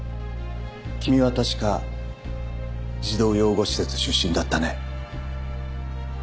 君は確か児童養護施設出身だったね？